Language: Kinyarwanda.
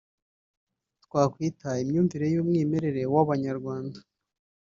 twakwita “imyumvire y’umwimerere” w’Abanyarwanda